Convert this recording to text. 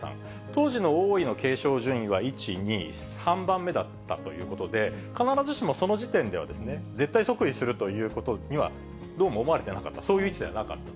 当時の王位の継承順位は１、２、３番目だったということで、必ずしもその時点では、絶対即位するということには、どうも思われてなかった、そういう位置ではなかった。